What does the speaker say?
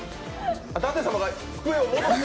舘様が机を戻して。